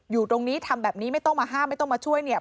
อยู่ตรงนี้ทำแบบนี้ไม่ต้องมาห้ามไม่ต้องมาช่วยเนี่ย